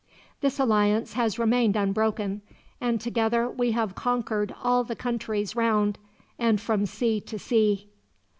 This alliance has remained unbroken, and together we have conquered all the countries round, and from sea to sea."